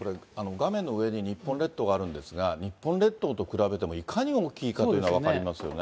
画面の上に日本列島があるんですが、日本列島と比べてもいかに大きいかというのが分かりますよね。